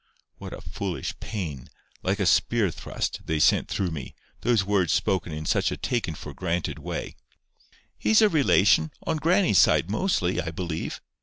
What a foolish pain, like a spear thrust, they sent through me—those words spoken in such a taken for granted way! "He's a relation—on grannie's side mostly, I believe.